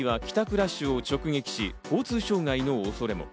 ラッシュを直撃し、交通障害の恐れも。